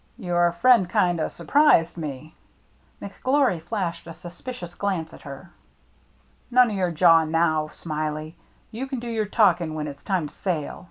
Your friend kind o* surprised me." McGlory flashed a suspicious glance at her. " None o' your jaw now. Smiley. You can do your talking when it's time to sail.